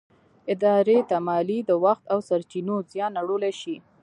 ادارې ته مالي، د وخت او سرچينو زیان اړولی شي.